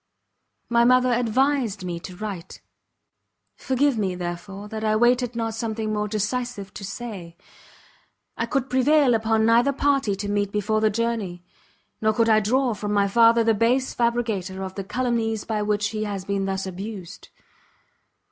My mother advised me to write; forgive me, therefore, that I waited not something more decisive to say. I could prevail upon neither party to meet before the journey; nor could I draw from my father the base fabricator of the calumnies by which he has been thus abused.